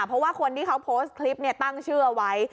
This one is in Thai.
เพราะว่าคนที่เขาโพสต์คลิปเนี่ยตั้งเชื่อไว้